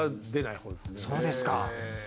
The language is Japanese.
そうですかへぇ。